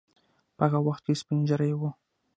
په هغه وخت کې سپین ږیری وو.